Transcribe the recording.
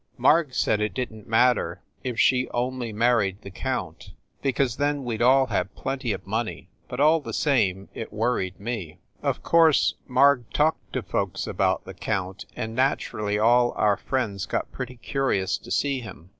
Marg said it didn t matter if she only married the count; because then we d all have plenty of money. But all the same it worried me. Of course Marg talked to folks about her count, and naturally all our friends got pretty curious to see him.